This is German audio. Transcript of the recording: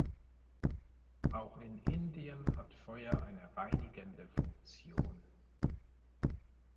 Auch in Indien hat Feuer eine reinigende Funktion.